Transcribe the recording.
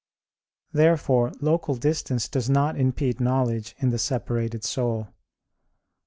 Therefore local distance does not impede knowledge in the separated soul.